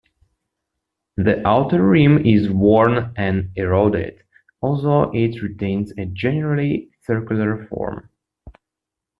The outer rim is worn and eroded, although it retains a generally circular form.